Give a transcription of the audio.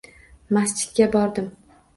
Masjidga bordim